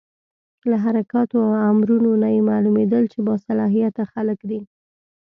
له حرکاتو او امرونو نه یې معلومېدل چې با صلاحیته خلک دي.